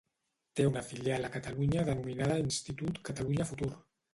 Té una filial a Catalunya denominada Institut Catalunya Futur.